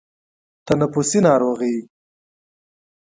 تنفسي ناروغۍ